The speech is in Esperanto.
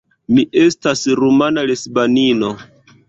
Mi estas rumana lesbanino.